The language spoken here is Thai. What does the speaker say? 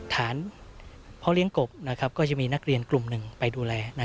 ฐานพ่อเลี้ยงกบก็จะมีนักเรียนกลุ่มหนึ่งไปดูแล